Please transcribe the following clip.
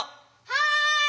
はい！